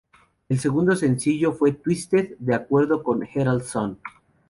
El segundo sencillo fue "Twisted" de acuerdo con "Herald Sun".